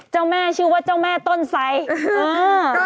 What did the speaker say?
เจ้าแม่ชื่อว่าเจ้าแม่ต้นไสเออ